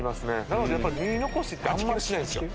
なのでやっぱり２残しってあんまりしないんですよ。